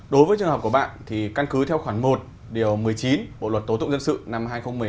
đối với trường hợp của bạn thì căn cứ theo khoản một điều một mươi chín bộ luật tố tụng dân sự năm hai nghìn một mươi năm